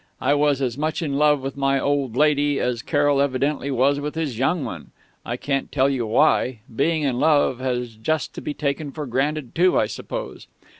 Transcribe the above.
I was as much in love with my old lady as Carroll evidently was with his young one I can't tell you why being in love has just to be taken for granted too, I suppose...